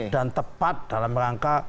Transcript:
dan tepat dalam rangka